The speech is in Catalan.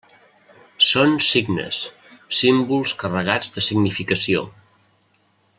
Són signes, símbols carregats de significació.